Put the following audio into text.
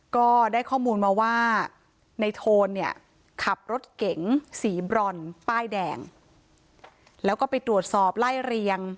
ก็ได้ข้อมูลมาว่าในโทนเนี่ยขับรถเก๋งสีบรอนป้ายแดงแล้วก็ไปตรวจสอบไล่เรียง